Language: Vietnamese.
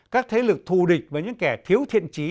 các thế lực thù địch và những kẻ thiếu thiện trí